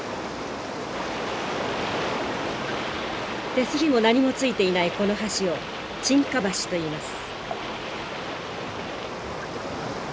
手すりも何もついていないこの橋を沈下橋といいます。